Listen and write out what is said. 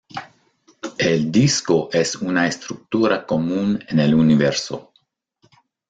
El disco es una estructura común en el universo.